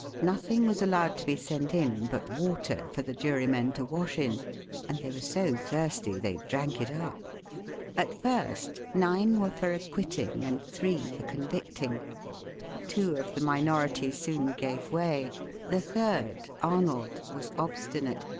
Nothing was allowed to be sent in but water for the jurymen to wash in, and they were so thirsty they drank it up. At first nine were for acquitting, and three for convicting. Two of the minority soon gave way; the third, Arnold, was obstinate.